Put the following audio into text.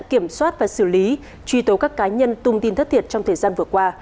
kiểm soát và xử lý truy tố các cá nhân tung tin thất thiệt trong thời gian vừa qua